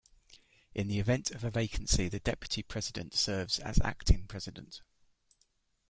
In the event of a vacancy the Deputy President serves as Acting President.